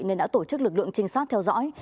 nên đã tổ chức lực lượng trinh sát theo dõi